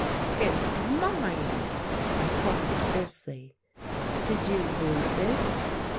"It's mine!" I cried fiercely. "Did you lose it?"